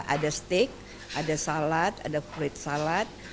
ada steak ada salad ada fluid salad